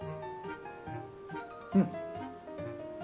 うん。